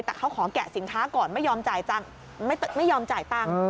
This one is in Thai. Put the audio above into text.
แต่เขาขอแกะสินค้าก่อนไม่ยอมจ่ายไม่ยอมจ่ายตังค์